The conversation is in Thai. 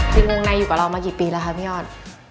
จริงวงในอยู่กับเรามากี่ปีแล้วคะพี่อ้อน